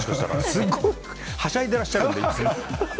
すごくはしゃいでらっしゃるんで、いつも。